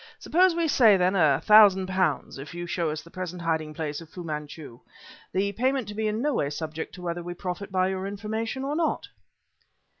"Suppose we say, then, a thousand pounds if you show us the present hiding place of Fu Manchu, the payment to be in no way subject to whether we profit by your information or not?"